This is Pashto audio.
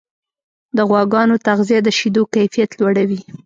د غواګانو تغذیه د شیدو کیفیت لوړوي.